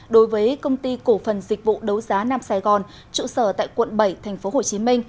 đối với công ty cổ phần dịch vụ đấu giá nam sài gòn trụ sở tại quận bảy tp hcm